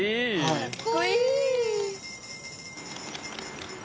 かっこいい！